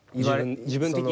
自分的に？